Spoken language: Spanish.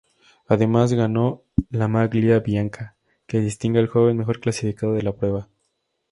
Además, ganó la 'Maglia bianca', que distingue al joven mejor clasificado de la prueba.